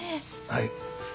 はい。